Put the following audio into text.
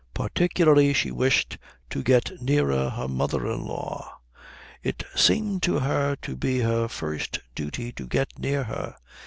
Particularly she wished to get nearer her mother in law. It seemed to her to be her first duty to get near her.